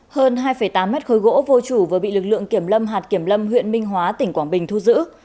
hơn hai tám mét khối gỗ vô chủ vừa bị lực lượng kiểm lâm hạt kiểm lâm huyện minh hóa tỉnh quảng bình thu giữ